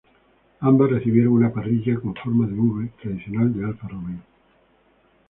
Ambas recibieron una parrilla con forma de V, tradicional de Alfa Romeo.